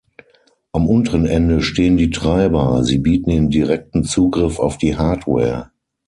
Am unteren Ende stehen die Treiber, sie bieten den direkten Zugriff auf die Hardware.